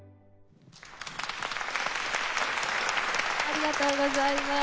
ありがとうございます。